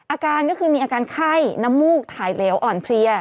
อาการก็คือมีอาการไข้น้ำมูกถ่ายเหลวอ่อนเพลีย